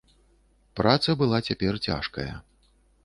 Праца была цяпер цяжкая.